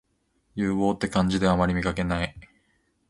牛蒡って漢字であまり見かけない